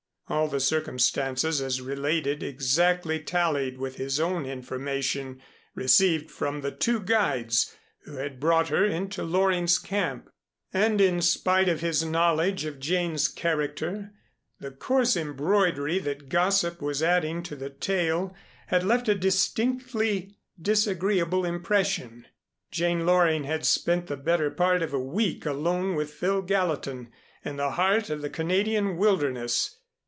All the circumstances as related exactly tallied with his own information received from the two guides who had brought her into Loring's camp. And in spite of his knowledge of Jane's character, the coarse embroidery that gossip was adding to the tale had left a distinctly disagreeable impression. Jane Loring had spent the better part of a week alone with Phil Gallatin in the heart of the Canadian wilderness.